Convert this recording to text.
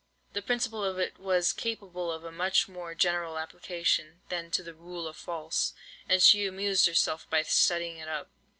The principle of it was capable of a much more general application than to the "Rule of False," and she amused herself by studying it up.